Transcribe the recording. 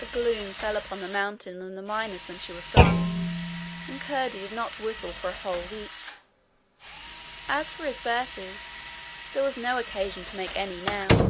A gloom fell upon the mountain and the miners when she was gone, and Curdie did not whistle for a whole week. As for his verses, there was no occasion to make any now.